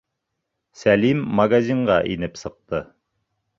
Сәлим магазинға инеп сыҡты.